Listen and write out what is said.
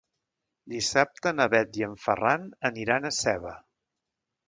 Dissabte na Bet i en Ferran aniran a Seva.